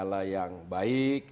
ada yang baik